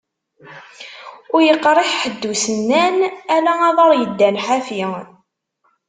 Ur yeqriḥ ḥedd usennan, ala aḍar yeddan ḥafi.